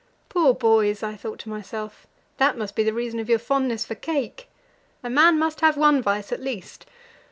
"Poor boys!" I thought to myself; "that must be the reason of your fondness for cake. A man must have one vice, at least.